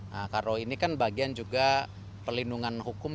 nah karena ini kan bagian juga pelindungan hukum